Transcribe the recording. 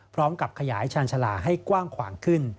พร้อมกับขยายชาญชาลาให้กว้างขวางขึ้น